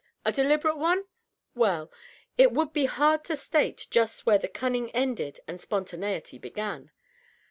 A deliberate one ? Well, it would be hard to state just where cunning ended and spontaneity began.